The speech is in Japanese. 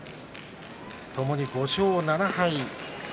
ともに５勝７敗。